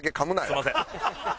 すみません。